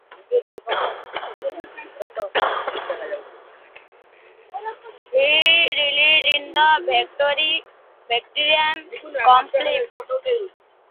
He died in Victoria, British Columbia.